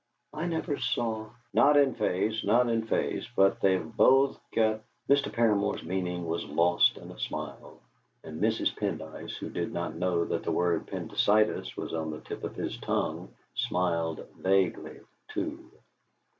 I never saw " "Not in face, not in face; but they've both got " Mr. Paramor's meaning was lost in a smile; and Mrs. Pendyce, who did not know that the word "Pendycitis" was on the tip of his tongue, smiled vaguely too.